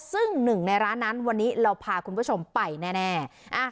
ซึ่งหนึ่งในร้านนั้นวันนี้เราพาคุณผู้ชมไปแน่